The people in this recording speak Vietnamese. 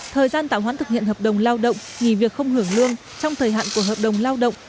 thời gian tạm hoãn thực hiện hợp đồng lao động nghỉ việc không hưởng lương trong thời hạn của hợp đồng lao động